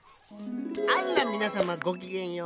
あっらみなさまごきげんよう。